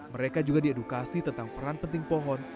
mereka juga diedukasi tentang peran penting pohon